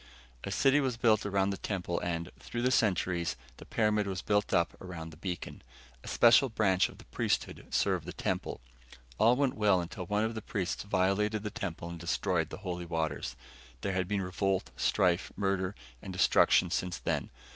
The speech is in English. A city was built around the temple and, through the centuries, the pyramid was put up around the beacon. A special branch of the priesthood served the temple. All went well until one of the priests violated the temple and destroyed the holy waters. There had been revolt, strife, murder and destruction since then.